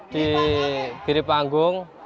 di diri panggung